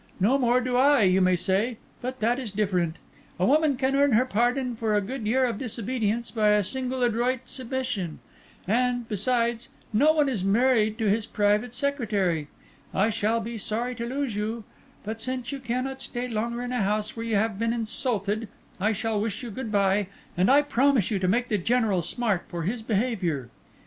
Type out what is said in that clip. No more do I, you may say. But that is different. A woman can earn her pardon for a good year of disobedience by a single adroit submission; and, besides, no one is married to his private secretary. I shall be sorry to lose you; but since you cannot stay longer in a house where you have been insulted, I shall wish you good bye, and I promise you to make the General smart for his behaviour."